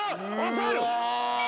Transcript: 抑える！